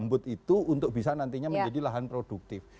untuk bisa nantinya menjadi lahan produktif